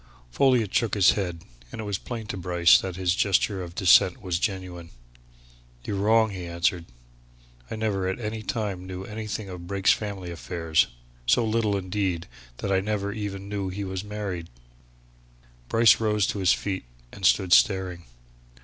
Folliot shook his head, and it was plain to Bryce that his gesture of dissent was genuine. "You're wrong," he answered. "I never at any time knew anything of Brake's family affairs. So little indeed, that I never even knew he was married." Bryce rose to his feet and stood staring.